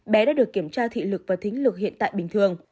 bé đã được kiểm tra thị lực và thính lực hiện tại bình thường